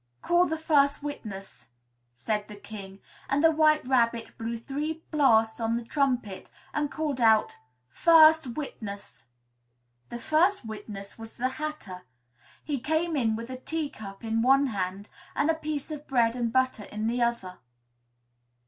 "Call the first witness," said the King; and the White Rabbit blew three blasts on the trumpet and called out, "First witness!" The first witness was the Hatter. He came in with a teacup in one hand and a piece of bread and butter in the other.